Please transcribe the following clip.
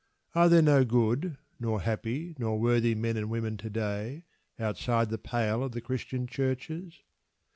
Are there no good, nor happy, nor worthy men and women to day outside the pale of the Christian churches?